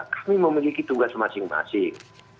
kami memiliki tugas masing masing